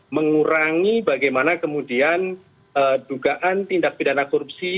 mengurangi bagaimana kemudian dugaan tindak pidana korupsi